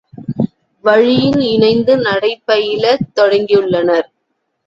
வழியில் இணைந்து நடைப்பயிலத் தொடங்கியுள்ளனர்.